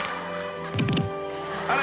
［あれ？